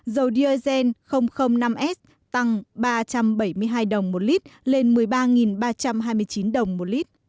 dầu diesel năm s tăng ba trăm bảy mươi hai đồng một lít lên một mươi ba ba trăm hai mươi chín đồng một lít